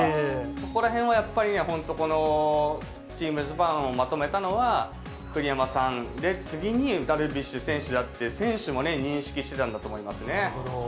そこらへんはやっぱりね、本当、このチームジャパンをまとめたのは、栗山さん、次にダルビッシュ選手だって、選手も認識してたんだと思いますなるほど。